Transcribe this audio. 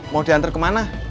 mau diantar kemana